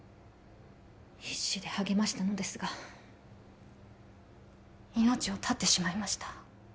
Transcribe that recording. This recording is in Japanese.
必死で励ましたのですが命を絶ってしまいました